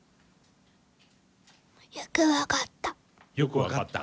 よく分かった。